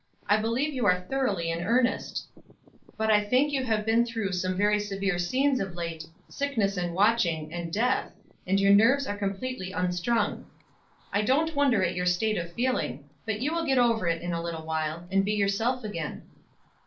I believe you are thoroughly in earnest, but I think you have been through some very severe scenes of late, sickness and watching, and death, and your nerves are completely unstrung. I don't wonder at your state of feeling, but you will get over it in a little while, and be yourself again."